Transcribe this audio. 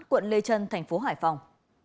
quận lê trân tp hải phòng